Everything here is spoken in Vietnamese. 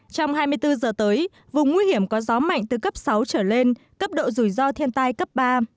trong hai mươi bốn giờ tới vùng nguy hiểm có gió mạnh từ cấp sáu trở lên cấp độ rủi ro thiên tai cấp ba